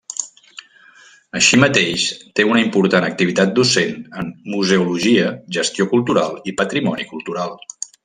Així mateix, té una important activitat docent en museologia, gestió cultural i patrimoni cultural.